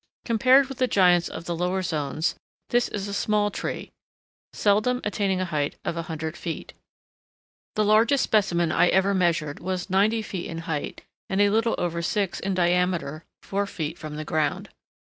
Compared with the giants of the lower zones, this is a small tree, seldom attaining a height of a hundred feet. The largest specimen I ever measured was ninety feet in height, and a little over six in diameter four feet from the ground.